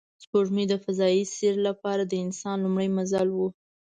سپوږمۍ د فضایي سیر لپاره د انسان لومړی منزل و